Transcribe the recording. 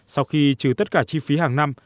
sau khi trừ tất cả chi phí hàng năm